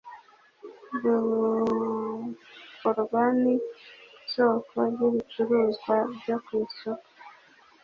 rukorwa n isoko ry ibicuruzwa byo ku isoko